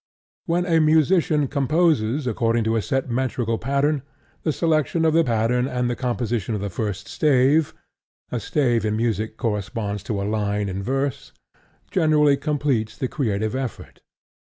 When a musician composes according to a set metrical pattern, the selection of the pattern and the composition of the first stave (a stave in music corresponds to a line in verse) generally completes the creative effort.